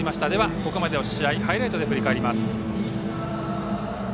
ここまでの試合ハイライトで振り返ります。